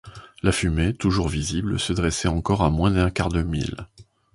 La fumée, toujours visible, se dressait encore à moins d’un quart de mille.